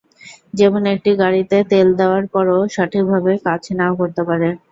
যেমন একটি গাড়িতে তেল দেওয়ার পরও সঠিকভাবে কাজ না-ও করতে পারে।